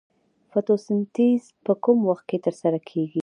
فتوسنتیز په کوم وخت کې ترسره کیږي